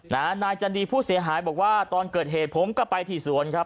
นายจันดีผู้เสียหายบอกว่าตอนเกิดเหตุผมก็ไปที่สวนครับ